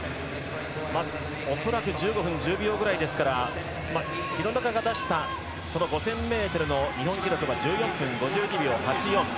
恐らく１５分１０秒ぐらいですから廣中が出した５０００ｍの日本記録は１４分５２秒８４。